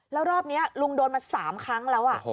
แล้วรอบนี้ลุงโดนมา๓ครั้งแล้ว